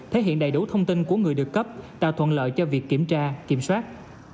thể hiện đầy đủ thông tin của người được cấp tạo thuận lợi cho việc kiểm tra kiểm soát